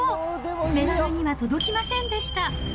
メダルには届きませんでした。